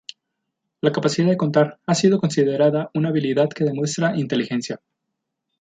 La capacidad de contar ha sido considerada una habilidad que demuestra inteligencia.